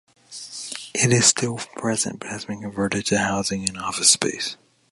It is still present but has been converted to housing and office space.